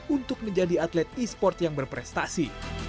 untuk menjadi atlet e sports yang berprestasi